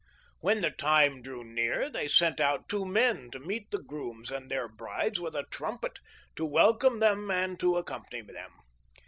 When the time drew nigh they sent out two men to meet the grooms and their brides with a trumpet to welcome them and to accompany them.